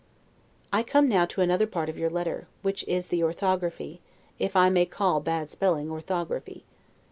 I come now to another part of your letter, which is the orthography, if I may call bad spelling ORTHOGRAPHY.